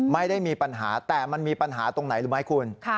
ไม่ได้มีปัญหาแต่มันมีปัญหาตรงไหนรู้ไหมคุณ